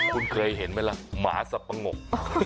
คุณเคยเห็นไหมล่ะหมาสับปะงก